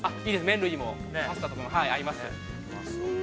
麺類とか、パスタにも合います。